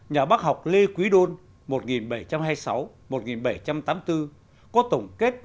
nhà bác học lê quý đôn có tổng kết